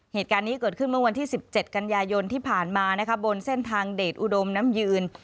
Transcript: เหตุการณ์นี้เกิดขึ้นเมื่อวันที่๑๗กันยายนที่ผ่านมานะคะบนเส้นทางเดชอุดมน้ำยืน